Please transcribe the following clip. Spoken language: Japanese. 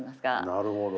なるほど。